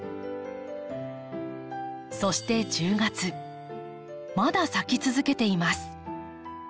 そして１０月まだ咲き続けています。